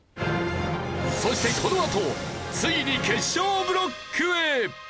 そしてこのあとついに決勝ブロックへ！